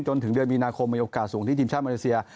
จนถึงเดือนมีนาคมมีโอกาสสูงที่ทีมชาติมาเลเซีย